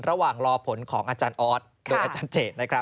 ระหว่างรอผลของอาจารย์ออสโดยอาจารย์เจดนะครับ